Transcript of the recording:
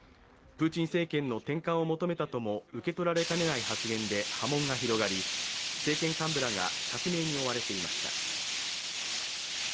プーチン政権の転換を求めたとも受け取られかねない発言で波紋が広がり、政権幹部らが釈明に追われていました。